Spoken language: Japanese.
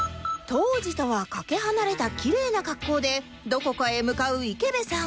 当時とはかけ離れたキレイな格好でどこかへ向かう池辺さん